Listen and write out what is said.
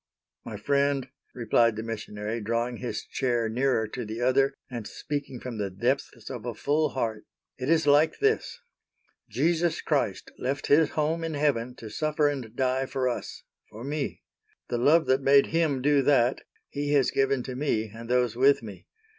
"My friend," replied the missionary, drawing his chair nearer to the other and speaking from the depths of a full heart, "It is like this, Jesus Christ left His home in heaven to suffer and die for us—for me. The love that made Him do that He has given to me and those with me.